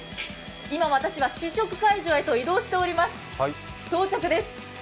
今私は試食会場へと移動しております、到着です。